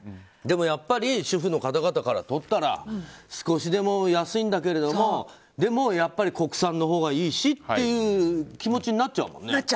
でもやっぱり主婦の方々からとったら少しでも安いんだけれども国産のほうがいいしっていう気持ちになっちゃうもんね。